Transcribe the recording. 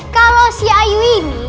kalau si ayu ini